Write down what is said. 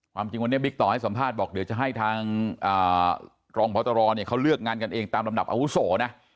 จริงวันนี้บิ๊กต่อให้สัมภาษณ์บอกเดี๋ยวจะให้ทางรองพตรเนี่ยเขาเลือกงานกันเองตามลำดับอาวุโสนะ